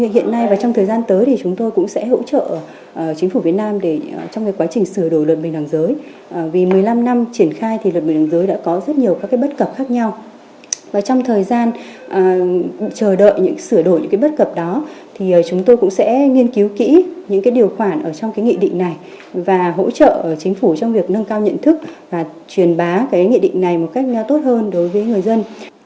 hiện nay và trong thời gian tới thì chúng tôi cũng sẽ hỗ trợ chính phủ việt nam để trong cái quá trình sửa đổi luật bình đảng giới vì một mươi năm năm triển khai thì luật bình đảng giới đã có rất nhiều các cái bất cập khác nhau và trong thời gian chờ đợi những sửa đổi những cái bất cập đó thì chúng tôi cũng sẽ nghiên cứu kỹ những cái điều khoản ở trong cái nghị định này và hỗ trợ chính phủ trong việc nâng cao nhận thức và truyền bá cái nghị định này một cách tốt hơn đối với người dân